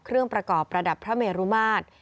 ประกอบประดับพระเมรุมาตร